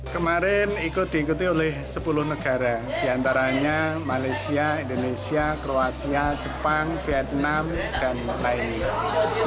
kemarin ikut diikuti oleh sepuluh negara diantaranya malaysia indonesia kroasia jepang vietnam dan lainnya